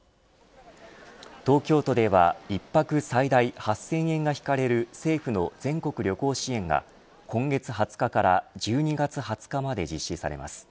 東京都では１泊最大８０００円が引かれる政府の全国旅行支援が今月２０日から１２月２０日まで実施されます。